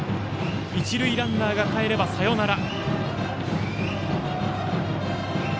一塁ランナーがかえればサヨナラ。